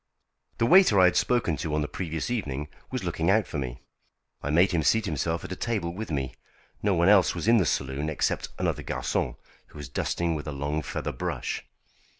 The waiter I had spoken to on the previous evening was looking out for me. I made him seat himself at a table with me. No one else was in the saloon except another garçon, who was dusting with a long feather brush.